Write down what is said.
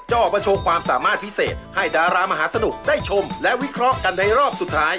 ออกมาโชว์ความสามารถพิเศษให้ดารามหาสนุกได้ชมและวิเคราะห์กันในรอบสุดท้าย